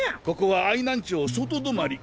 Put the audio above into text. ここは愛南町外泊。